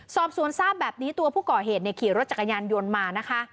สอบสวนทราบแบบนี้ตัวผู้ก่อเหตุขี่รถจักรยานยนต์มานะคะ